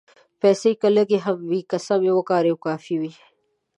پېسې که لږې هم وي، که سمې وکارېږي، کافي وي.